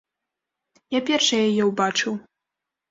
Я першы яе ўбачыў.